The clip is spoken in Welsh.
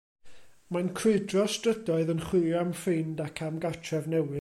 Mae'n crwydro'r strydoedd yn chwilio am ffrind ac am gartref newydd.